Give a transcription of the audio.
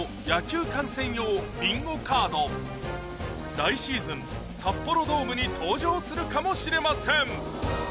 来シーズン札幌ドームに登場するかもしれません